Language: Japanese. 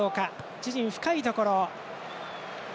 自陣深いところ。